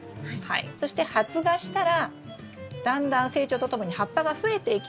そして発芽したらだんだん成長とともに葉っぱが増えていきます。